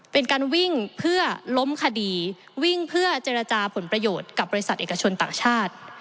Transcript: เป็นการวิ่งเพื่อล้มคดีวิ่งเพื่อเจรจาผลประโยชน์กับบริษัทเอกชนต่างชาติ